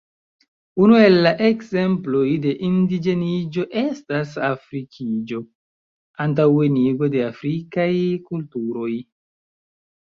Unu el la ekzemploj de indiĝeniĝo estas afrikiĝo (antaŭenigo de afrikaj kulturoj).